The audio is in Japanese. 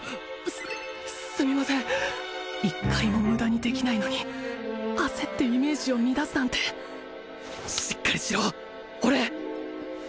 すすみません一回もムダにできないのに焦ってイメージを乱すなんてしっかりしろ俺！